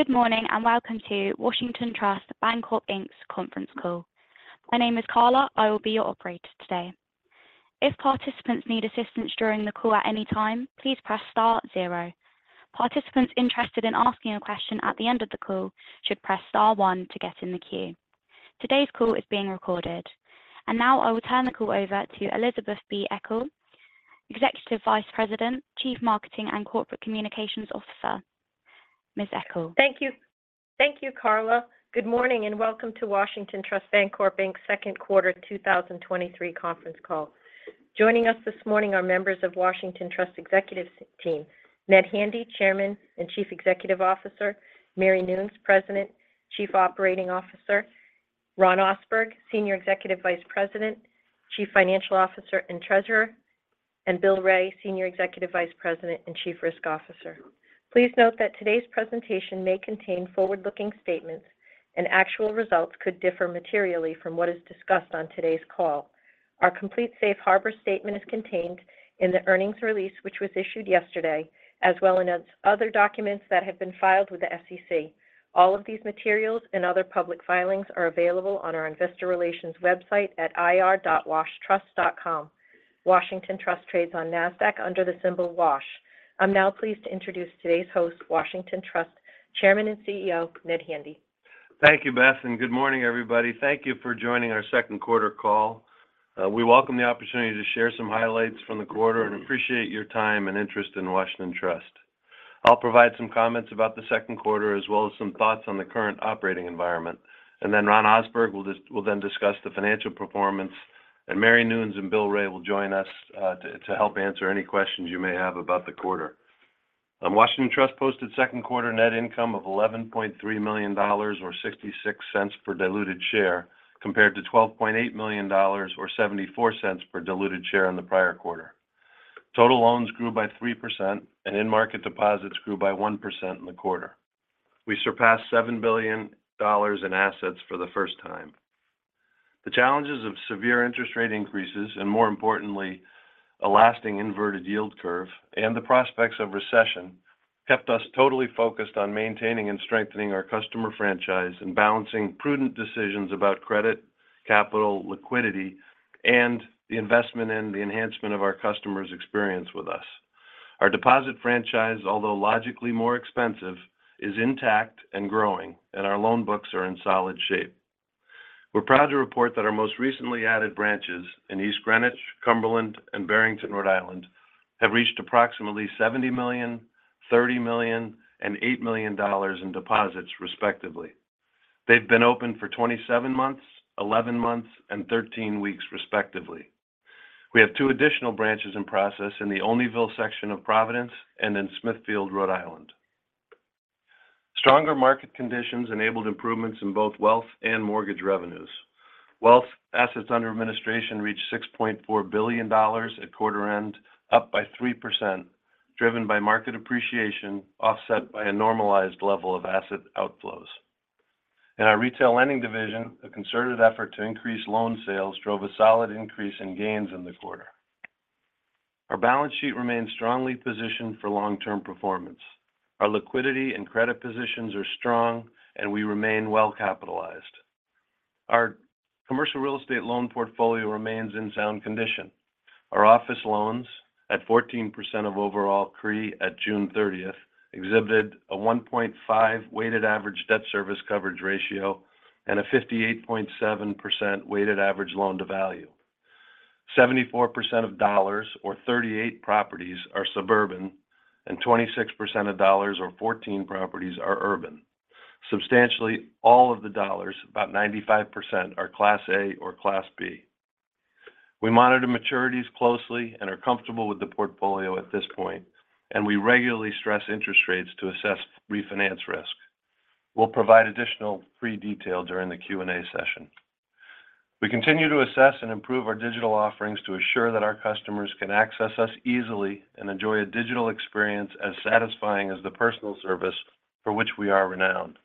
Good morning, welcome to Washington Trust Bancorp, Inc.'s conference call. My name is Carla. I will be your operator today. If participants need assistance during the call at any time, please press star zero. Participants interested in asking a question at the end of the call should press star one to get in the queue. Today's call is being recorded. Now I will turn the call over to Elizabeth B. Eckel, Executive Vice President, Chief Marketing and Corporate Communications Officer. Ms. Eckel? Thank you. Thank you, Carla. Good morning, and welcome to Washington Trust Bancorp, Inc.'s second quarter 2023 conference call. Joining us this morning are members of Washington Trust executive team, Ned Handy, Chairman and Chief Executive Officer; Mary Noons, President, Chief Operating Officer; Ron Ohsberg, Senior Executive Vice President, Chief Financial Officer, and Treasurer; and Bill Wray, Senior Executive Vice President and Chief Risk Officer. Please note that today's presentation may contain forward-looking statements, and actual results could differ materially from what is discussed on today's call. Our complete safe harbor statement is contained in the earnings release, which was issued yesterday, as well as other documents that have been filed with the SEC. All of these materials and other public filings are available on our investor relations website at ir.washtrust.com. Washington Trust trades on Nasdaq under the symbol WASH. I'm now pleased to introduce today's host, Washington Trust Chairman and CEO, Ned Handy. Thank you, Beth, and good morning, everybody. Thank you for joining our second quarter call. We welcome the opportunity to share some highlights from the quarter and appreciate your time and interest in Washington Trust. I'll provide some comments about the second quarter, as well as some thoughts on the current operating environment. Ron Ohsberg will then discuss the financial performance, and Mary Noons and Bill Wray will join us to help answer any questions you may have about the quarter. Washington Trust posted second quarter net income of $11.3 million or $0.66 per diluted share, compared to $12.8 million or $0.74 per diluted share in the prior quarter. Total loans grew by 3%, and in-market deposits grew by 1% in the quarter. We surpassed $7 billion in assets for the first time. The challenges of severe interest rate increases, and more importantly, a lasting inverted yield curve and the prospects of recession, kept us totally focused on maintaining and strengthening our customer franchise and balancing prudent decisions about credit, capital, liquidity, and the investment and the enhancement of our customers' experience with us. Our deposit franchise, although logically more expensive, is intact and growing, and our loan books are in solid shape. We're proud to report that our most recently added branches in East Greenwich, Cumberland, and Barrington, Rhode Island, have reached approximately $70 million, $30 million, and $8 million in deposits, respectively. They've been open for 27 months, 11 months, and 13 weeks, respectively. We have two additional branches in process in the Olneyville section of Providence and in Smithfield, Rhode Island. Stronger market conditions enabled improvements in both wealth and mortgage revenues. Wealth assets under administration reached $6.4 billion at quarter end, up by 3%, driven by market appreciation, offset by a normalized level of asset outflows. In our retail lending division, a concerted effort to increase loan sales drove a solid increase in gains in the quarter. Our balance sheet remains strongly positioned for long-term performance. Our liquidity and credit positions are strong, and we remain well capitalized. Our commercial real estate loan portfolio remains in sound condition. Our office loans, at 14% of overall CRE at June thirtieth, exhibited a 1.5 weighted average debt service coverage ratio and a 58.7% weighted average loan-to-value. 74% of dollars or 38 properties are suburban, and 26% of dollars or 14 properties are urban. Substantially, all of the dollars, about 95%, are Class A or Class B. We monitor maturities closely and are comfortable with the portfolio at this point, and we regularly stress interest rates to assess refinance risk. We'll provide additional free detail during the Q&A session. We continue to assess and improve our digital offerings to assure that our customers can access us easily and enjoy a digital experience as satisfying as the personal service for which we are renowned.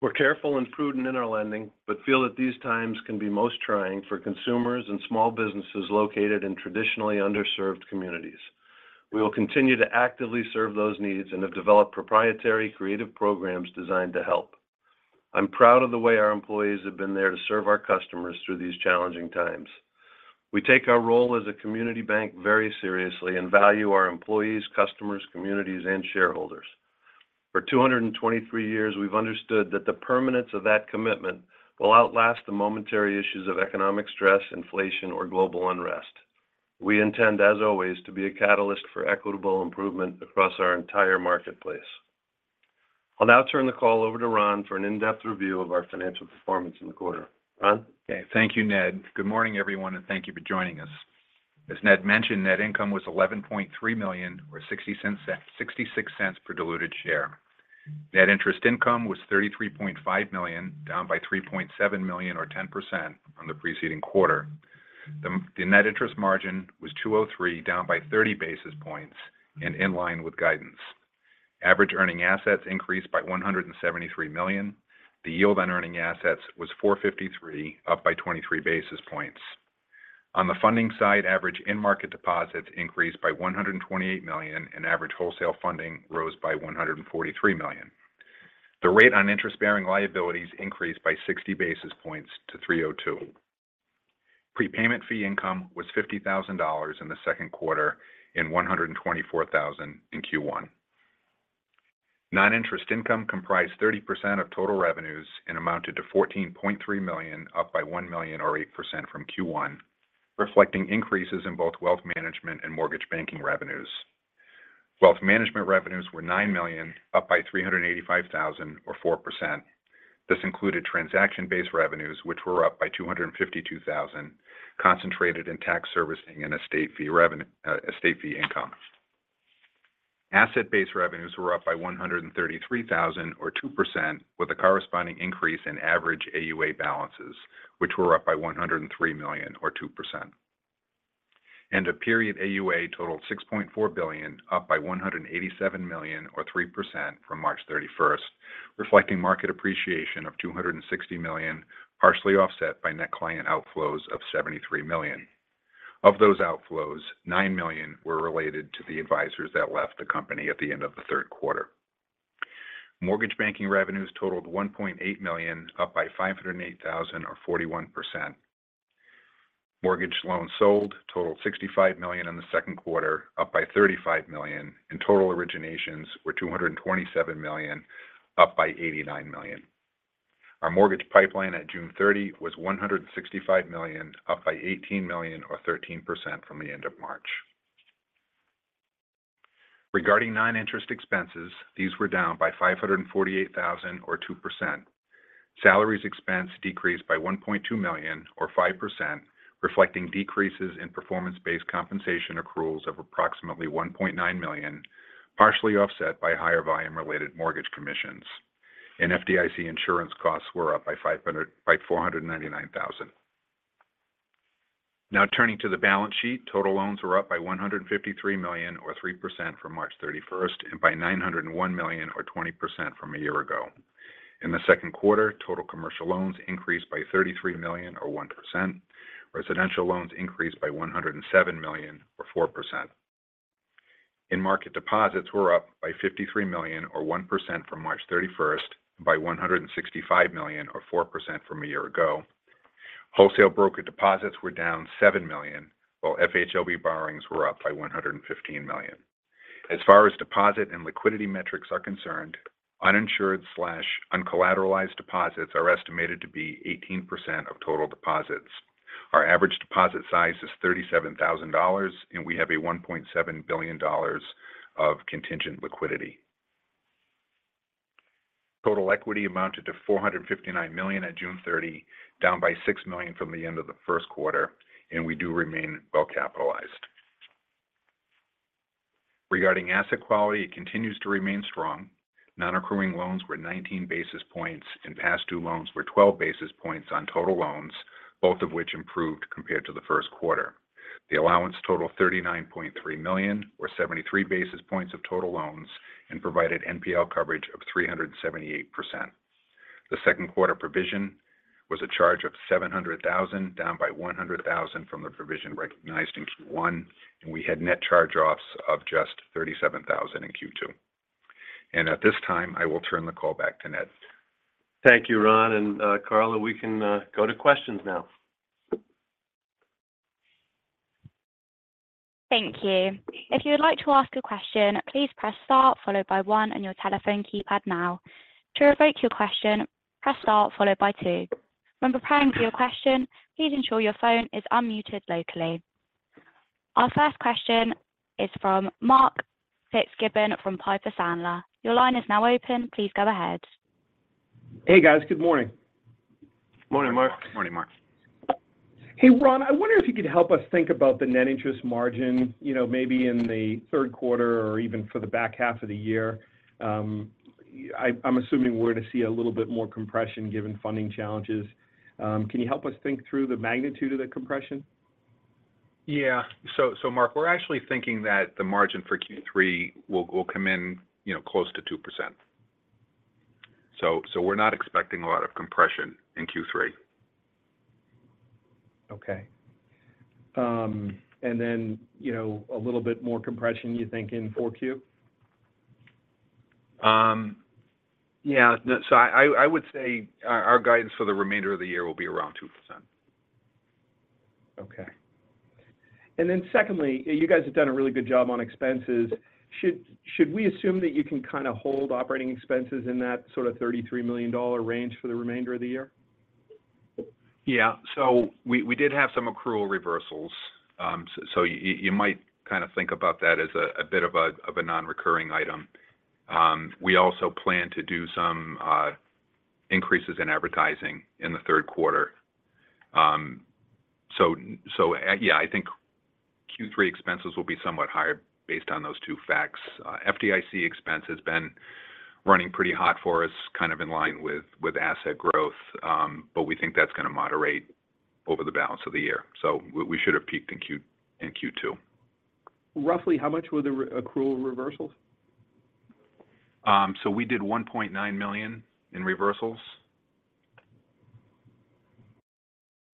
We're careful and prudent in our lending, but feel that these times can be most trying for consumers and small businesses located in traditionally underserved communities. We will continue to actively serve those needs and have developed proprietary creative programs designed to help. I'm proud of the way our employees have been there to serve our customers through these challenging times. We take our role as a community bank very seriously and value our employees, customers, communities, and shareholders. For 223 years, we've understood that the permanence of that commitment will outlast the momentary issues of economic stress, inflation, or global unrest. We intend, as always, to be a catalyst for equitable improvement across our entire marketplace. I'll now turn the call over to Ron for an in-depth review of our financial performance in the quarter. Ron? Okay. Thank you, Ned. Good morning, everyone, thank you for joining us. As Ned mentioned, net income was $11.3 million or $0.66 per diluted share. Net interest income was $33.5 million, down by $3.7 million or 10% from the preceding quarter. The net interest margin was 203, down by 30 basis points in line with guidance. Average earning assets increased by $173 million. The yield on earning assets was 453, up by 23 basis points. On the funding side, average in-market deposits increased by $128 million, average wholesale funding rose by $143 million. The rate on interest-bearing liabilities increased by 60 basis points to 302. Prepayment fee income was $50 thousand in the second quarter and $124 thousand in Q1. Non-interest income comprised 30% of total revenues and amounted to $14.3 million, up by $1 million or 8% from Q1, reflecting increases in both wealth management and mortgage banking revenues. Wealth management revenues were $9 million, up by $385 thousand or 4%. This included transaction-based revenues, which were up by $252 thousand, concentrated in tax servicing and estate fee revenue, estate fee income. Asset-based revenues were up by $133 thousand or 2%, with a corresponding increase in average AUA balances, which were up by $103 million or 2%. End of period AUA totaled $6.4 billion, up by $187 million or 3% from March 31st, reflecting market appreciation of $260 million, partially offset by net client outflows of $73 million. Of those outflows, $9 million were related to the advisors that left the company at the end of the third quarter. Mortgage banking revenues totaled $1.8 million, up by $508 thousand or 41%. Mortgage loans sold totaled $65 million in the second quarter, up by $35 million, and total originations were $227 million, up by $89 million. Our mortgage pipeline at June 30 was $165 million, up by $18 million or 13% from the end of March. Regarding non-interest expenses, these were down by $548 thousand or 2%. Salaries expense decreased by $1.2 million or 5%, reflecting decreases in performance-based compensation accruals of approximately $1.9 million, partially offset by higher volume-related mortgage commissions. FDIC insurance costs were up by $499,000. Now, turning to the balance sheet, total loans were up by $153 million or 3% from March 31st and by $901 million or 20% from a year ago. In the second quarter, total commercial loans increased by $33 million or 1%. Residential loans increased by $107 million or 4%. In-market deposits were up by $53 million or 1% from March 31st, and by $165 million or 4% from a year ago. Wholesale broker deposits were down $7 million, while FHLB borrowings were up by $115 million. As far as deposit and liquidity metrics are concerned, uninsured/uncollateralized deposits are estimated to be 18% of total deposits. Our average deposit size is $37,000, and we have a $1.7 billion of contingent liquidity. Total equity amounted to $459 million at June 30, down by $6 million from the end of the first quarter, and we do remain well capitalized. Regarding asset quality, it continues to remain strong. Non-accruing loans were 19 basis points, and past due loans were 12 basis points on total loans, both of which improved compared to the first quarter. The allowance total, $39.3 million, or 73 basis points of total loans and provided NPL coverage of 378%. The second quarter provision was a charge of $700,000, down by $100,000 from the provision recognized in Q1. We had net charge-offs of just $37,000 in Q2. At this time, I will turn the call back to Ned. Thank you, Ron and, Carla. We can go to questions now. Thank you. If you would like to ask a question, please press star followed by one on your telephone keypad now. To revoke your question, press star followed by two. When preparing for your question, please ensure your phone is unmuted locally. Our first question is from Mark Fitzgibbon from Piper Sandler. Your line is now open. Please go ahead. Hey, guys. Good morning. Morning, Mark. Morning, Mark. Hey, Ron, I wonder if you could help us think about the net interest margin, you know, maybe in the third quarter or even for the back half of the year. I'm assuming we're to see a little bit more compression given funding challenges. Can you help us think through the magnitude of that compression? Yeah. Mark, we're actually thinking that the margin for Q3 will come in, you know, close to 2%. We're not expecting a lot of compression in Q3. Okay. you know, a little bit more compression, you think, in 4Q? Yeah. No, I would say our guidance for the remainder of the year will be around 2%. Okay. Secondly, you guys have done a really good job on expenses. Should we assume that you can kind of hold operating expenses in that sort of $33 million range for the remainder of the year? We did have some accrual reversals. You might kind of think about that as a bit of a non-recurring item. We also plan to do some increases in advertising in the third quarter. Yeah, I think Q3 expenses will be somewhat higher based on those two facts. FDIC expense has been running pretty hot for us, kind of in line with asset growth. We think that's going to moderate over the balance of the year. We should have peaked in Q2. Roughly how much were the accrual reversals?... We did $1.9 million in reversals.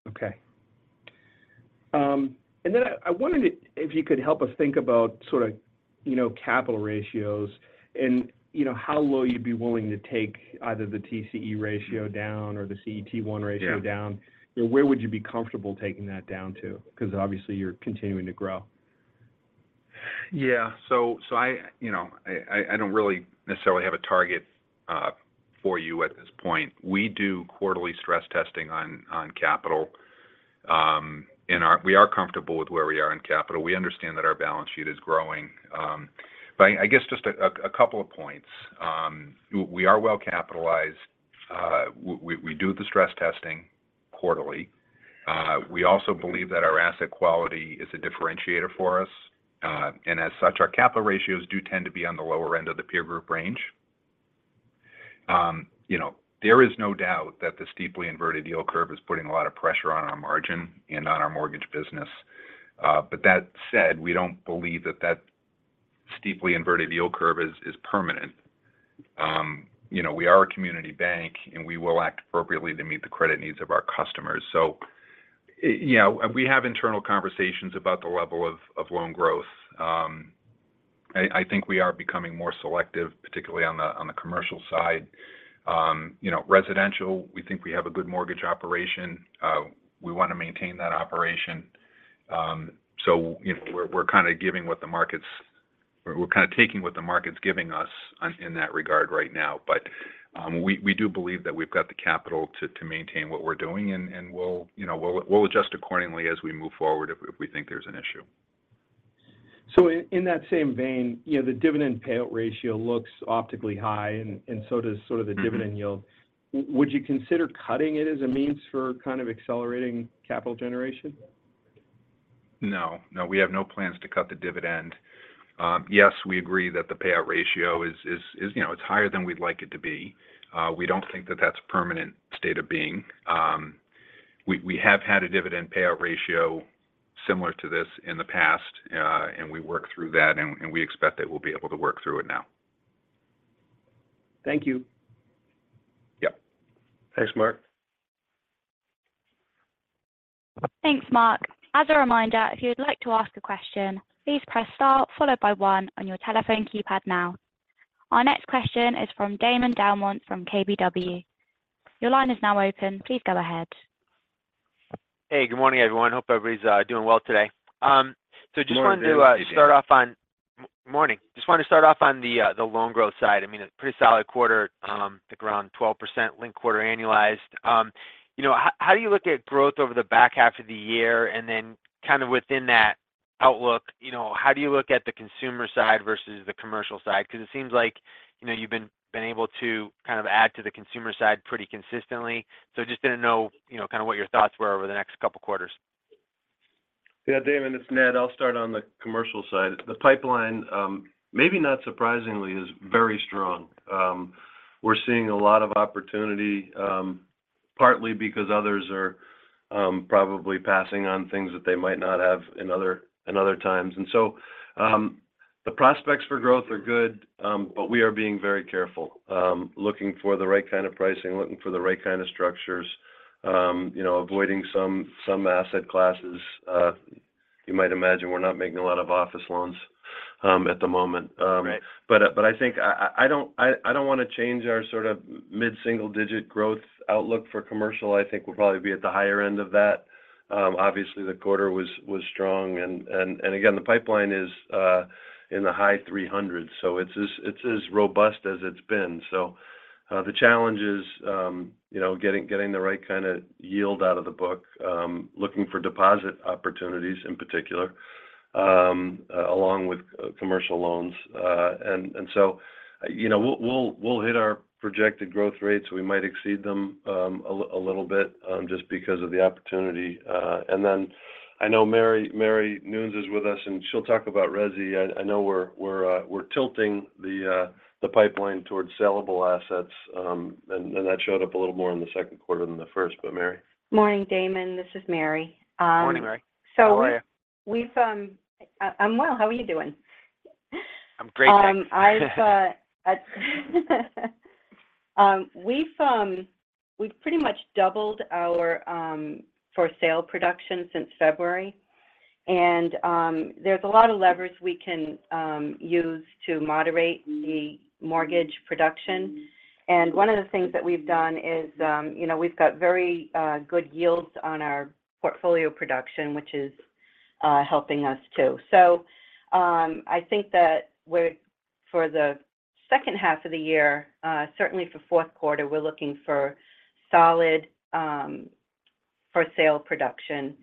Okay. Then I wondered if you could help us think about sort of, you know, capital ratios and, you know, how low you'd be willing to take either the TCE ratio down or the CET1 ratio down? Yeah. Where would you be comfortable taking that down to? Obviously, you're continuing to grow. I, you know, I don't really necessarily have a target for you at this point. We do quarterly stress testing on capital. We are comfortable with where we are in capital. We understand that our balance sheet is growing. I guess just a couple of points. We are well capitalized. We do the stress testing quarterly. We also believe that our asset quality is a differentiator for us. As such, our capital ratios do tend to be on the lower end of the peer group range. You know, there is no doubt that the steeply inverted yield curve is putting a lot of pressure on our margin and on our mortgage business. That said, we don't believe that that steeply inverted yield curve is permanent. You know, we are a community bank, and we will act appropriately to meet the credit needs of our customers. You know, we have internal conversations about the level of loan growth. I think we are becoming more selective, particularly on the commercial side. You know, residential, we think we have a good mortgage operation. We want to maintain that operation. You know, we're kind of taking what the market's giving us in that regard right now. We do believe that we've got the capital to maintain what we're doing, and we'll, you know, we'll adjust accordingly as we move forward if we think there's an issue. In that same vein, you know, the dividend payout ratio looks optically high, and so does sort of. Mm-hmm... dividend yield. Would you consider cutting it as a means for kind of accelerating capital generation? No. No, we have no plans to cut the dividend. Yes, we agree that the payout ratio is, you know, it's higher than we'd like it to be. We don't think that that's a permanent state of being. We have had a dividend payout ratio similar to this in the past. We worked through that, and we expect that we'll be able to work through it now. Thank you. Yep. Thanks, Mark. Thanks, Mark. As a reminder, if you'd like to ask a question, please press star followed by one on your telephone keypad now. Our next question is from Damon DelMonte from KBW. Your line is now open. Please go ahead. Hey, good morning, everyone. Hope everybody's doing well today. Morning. start off on Morning. Just wanted to start off on the loan growth side. I mean, a pretty solid quarter, I think around 12% linked-quarter annualized. You know, how do you look at growth over the back half of the year? Kind of within that outlook, you know, how do you look at the consumer side versus the commercial side? It seems like, you know, you've been able to kind of add to the consumer side pretty consistently. Just didn't know, you know, kind of what your thoughts were over the next couple of quarters. Yeah, Damon, it's Ned. I'll start on the commercial side. The pipeline, maybe not surprisingly, is very strong. We're seeing a lot of opportunity, partly because others are probably passing on things that they might not have in other, in other times. The prospects for growth are good, we are being very careful, looking for the right kind of pricing, looking for the right kind of structures, you know, avoiding some asset classes. You might imagine we're not making a lot of office loans at the moment. Right. I think I don't want to change our sort of mid-single-digit growth outlook for commercial. I think we'll probably be at the higher end of that. Obviously, the quarter was strong and again, the pipeline is in the high 300s, so it's as robust as it's been. The challenge is, you know, getting the right kind of yield out of the book, looking for deposit opportunities in particular, along with commercial loans. You know, we'll hit our projected growth rates. We might exceed them a little bit just because of the opportunity. I know Mary Noons is with us, and she'll talk about resi. I know we're tilting the pipeline towards sellable assets. And that showed up a little more in the second quarter than the first. Mary. Morning, Damon. This is Mary. Morning, Mary. So we- How are you? We've, I'm well, how are you doing? I'm great, thanks. I've, we've pretty much doubled our for sale production since February, and there's a lot of levers we can use to moderate the mortgage production. And one of the things that we've done is, you know, we've got very good yields on our portfolio production, which is helping us too. I think that for the second half of the year, certainly for fourth quarter, we're looking for solid for sale production,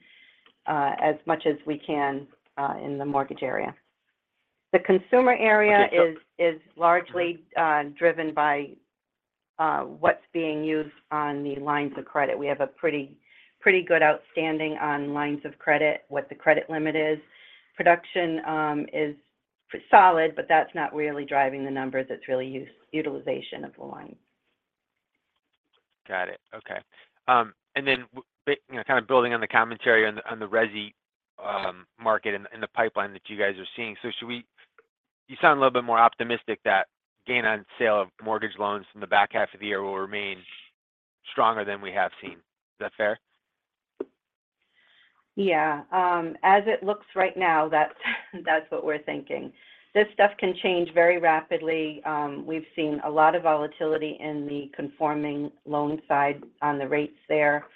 as much as we can, in the mortgage area. The consumer area is- Okay.... is largely driven by what's being used on the lines of credit. We have a pretty good outstanding on lines of credit, what the credit limit is. Production is pretty solid, but that's not really driving the numbers. It's really utilization of the line.... Got it. Okay. you know, kind of building on the commentary on the resi, market and the pipeline that you guys are seeing. You sound a little bit more optimistic that gain on sale of mortgage loans in the back half of the year will remain stronger than we have seen. Is that fair? Yeah. As it looks right now, that's what we're thinking. This stuff can change very rapidly. We've seen a lot of volatility in the conforming loan side on the rates there.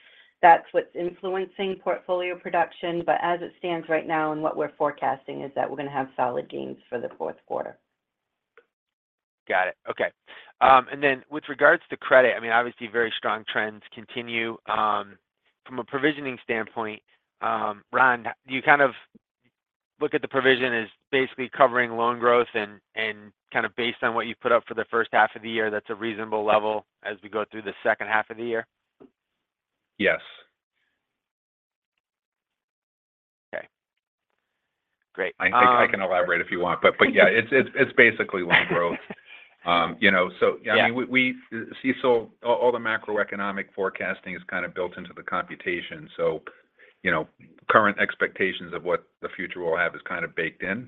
That's what's influencing portfolio production. As it stands right now and what we're forecasting is that we're going to have solid gains for the fourth quarter. Got it. Okay. With regards to credit, I mean, obviously, very strong trends continue. From a provisioning standpoint, Ron, do you kind of look at the provision as basically covering loan growth and kind of based on what you've put up for the first half of the year, that's a reasonable level as we go through the second half of the year? Yes. Okay. Great. I can elaborate if you want, but yeah, it's basically loan growth. you know. Yeah I mean, we CECL, all the macroeconomic forecasting is kind of built into the computation. You know, current expectations of what the future will have is kind of baked in.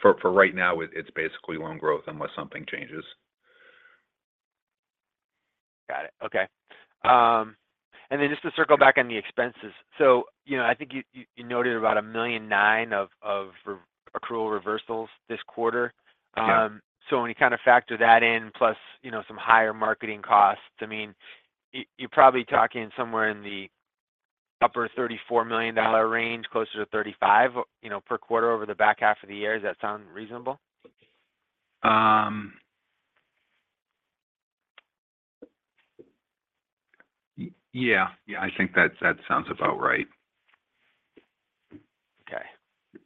For right now, it's basically loan growth unless something changes. Got it. Okay. Just to circle back on the expenses. You know, I think you noted about $1.9 million of accrual reversals this quarter. Yeah. When you kind of factor that in, plus, you know, some higher marketing costs, I mean, you're probably talking somewhere in the upper $34 million range, closer to $35, you know, per quarter over the back half of the year. Does that sound reasonable? Yeah, I think that's, that sounds about right. Okay.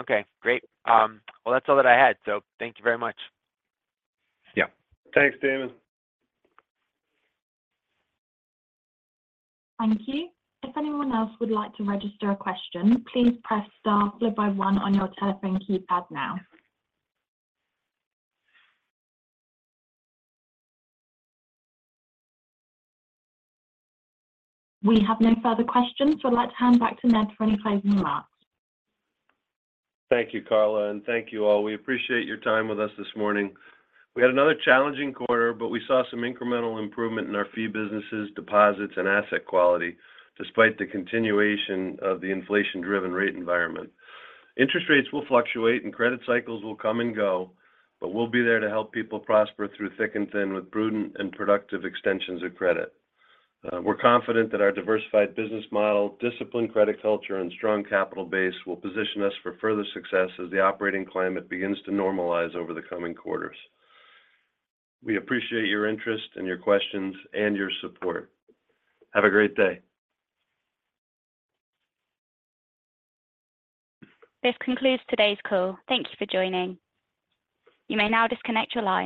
Okay, great. That's all that I had. Thank you very much. Yeah. Thanks, Damon. Thank you. If anyone else would like to register a question, please press star followed by one on your telephone keypad now. We have no further questions, I'd like to hand back to Ned for any closing remarks. Thank you, Carla. Thank you all. We appreciate your time with us this morning. We had another challenging quarter. We saw some incremental improvement in our fee businesses, deposits, and asset quality, despite the continuation of the inflation-driven rate environment. Interest rates will fluctuate. Credit cycles will come and go. We'll be there to help people prosper through thick and thin with prudent and productive extensions of credit. We're confident that our diversified business model, disciplined credit culture, and strong capital base will position us for further success as the operating climate begins to normalize over the coming quarters. We appreciate your interest and your questions and your support. Have a great day. This concludes today's call. Thanks for joining. You may now disconnect your line.